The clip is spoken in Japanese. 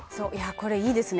これいいですね。